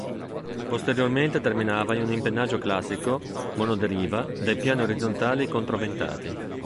Posteriormente terminava in un impennaggio classico monoderiva dai piani orizzontali controventati.